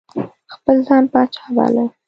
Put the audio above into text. خپل ځان پاچا باله.